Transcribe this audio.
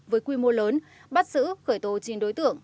với quy mô lớn bắt giữ khởi tố chín đối tượng